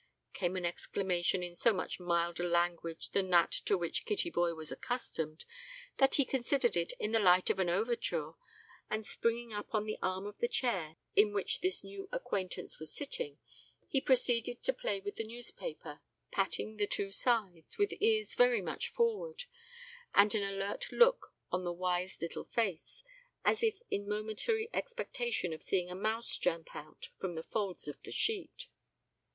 came an exclamation in so much milder language than that to which Kittyboy was accustomed, that he considered it in the light of an overture, and springing up on the arm of the chair, in which this new acquaintance was sitting, he proceeded to play with the newspaper, patting the two sides, with ears very much forward, and an alert look on the wise little face, as if in momentary expectation of seeing a mouse jump out from the folds of the sheet.